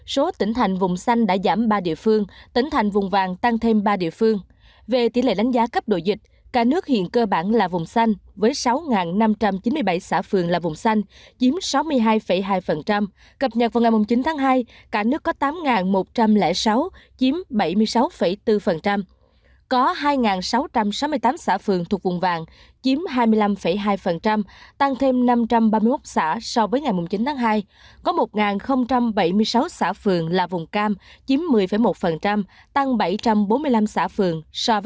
có một bảy mươi sáu xã phường là vùng cam chiếm một mươi một tăng bảy trăm bốn mươi năm xã phường so với ngày một mươi ba tháng hai